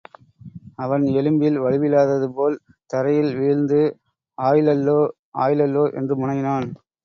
அவன் எலும்பில் வலுவில்லாததுபோல் தரையில் வீழ்ந்து ஆய்லல்லா ஆய்லல்லா என்று முனகினான்.